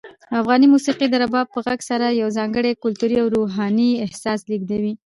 افغاني موسیقي د رباب په غږ سره یو ځانګړی کلتوري او روحاني احساس لېږدوي.